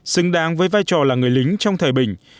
xứng đáng với vai trò là người lính trong thời bình